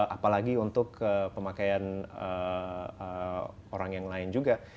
apalagi untuk pemakaian orang yang lain juga